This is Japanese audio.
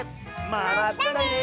まったね！